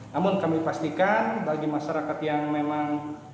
namun kami pastikan bagi masyarakat yang memang